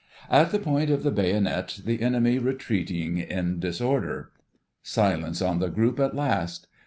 "... at the point of the bayonet, the enemy retreating in disorder." Silence on the group at last.